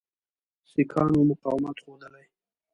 سیکهانو مقاومت ښودلی.